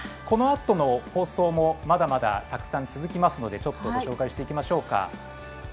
このあとの放送もまだまだたくさん続きますのでご紹介していきましょうか。